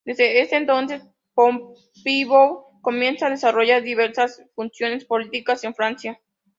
Desde este entonces, Pompidou comienza a desarrollar diversas funciones políticas en Francia.